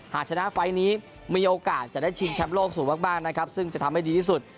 หากชนะไฟล์นี้มีโอกาสจะได้ชิงแชมป์โลกสูงมากนะครับซึ่งจะทำให้ดีที่สุด